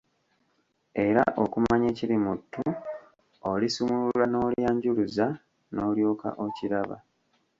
Era okumanya ekiri mu ttu, olisumulula n'olyanjuluza n'olyoka okiraba.